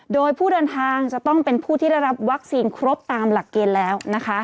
โดยผู้เดินทางจะต้องเป็นผู้ที่ได้รับวัคซีนครบตามหลักเกณฑ์แล้วนะคะ